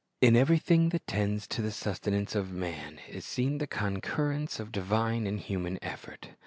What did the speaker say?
In everything that tends to the sustenance of man is seen the concurrence of divine and human effort.